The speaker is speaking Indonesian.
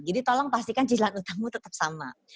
jadi tolong pastikan cicilan utangmu tetap sama